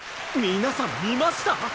「皆さん見ました？